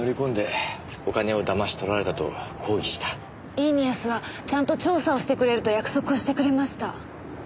イーニアスはちゃんと調査をしてくれると約束をしてくれました。